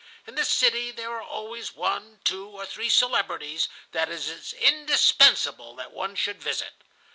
In the city there are always one, two, or three celebrities that it is indispensable that one should visit.